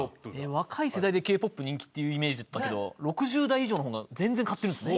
若い世代でＫ−ＰＯＰ人気っていうイメージだったけど６０代以上の方が全然買ってるんですね。